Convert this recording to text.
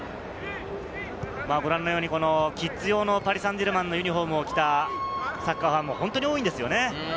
キッズ用のパリ・サンジェルマンのユニホームを着たサッカーファンも本当に多いんですよね。